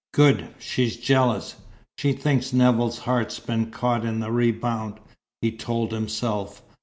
"Good! she's jealous. She thinks Nevill's heart's been caught in the rebound," he told himself.